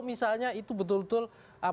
misalnya itu betul betul